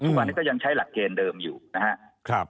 ทุกวันนี้ก็ยังใช้หลักเกณฑ์เดิมอยู่นะครับ